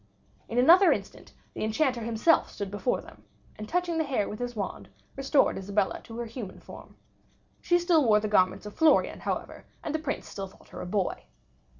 In another instant, the Enchanter himself stood before them, and touching the hare with his wand, restored Isabella to her human form. She still wore the garments of Florian, however, and the Prince still thought her a boy.